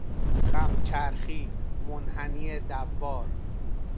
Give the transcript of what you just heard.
خم چرخی، منحنی دوار